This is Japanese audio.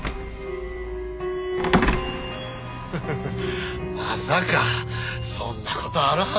ハハハまさかそんな事あるはず。